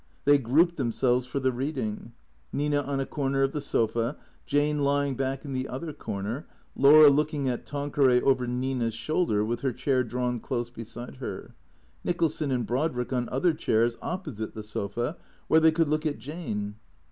They grouped themselves for the reading, Nina on a corner of the sofa ; Jane lying back in the other cor ner; Laura looking at Tanqueray over Nina's shoulder, with her chair drawn close beside her; Nicholson and Brodrick on other chairs, opposite the sofa, where they could look at Jane.